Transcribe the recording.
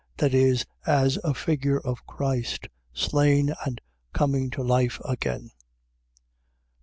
. .That is, as a figure of Christ, slain and coming to life again.